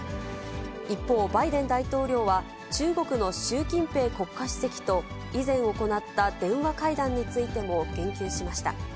一方、バイデン大統領は、中国の習近平国家主席と以前行った電話会談についても言及しました。